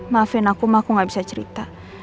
maafin aku mah aku gak bisa cerita